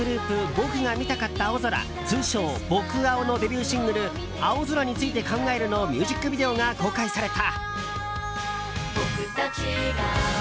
僕が見たかった青空通称、僕青のデビューシングル「青空について考える」のミュージックビデオが公開された。